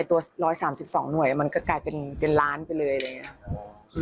ไอ้ตัวร้อยสามสิบสองหน่วยมันก็กลายเป็นเป็นล้านไปเลยอะไรยังไงอ๋อ